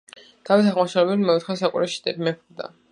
დავით აღმაშენებელი მეოთხე საუკუნეში მეფობდა